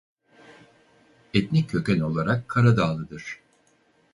Etnik köken olarak Karadağ'lıdır.